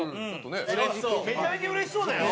山崎：めちゃめちゃうれしそうだよ。